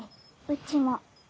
うちも。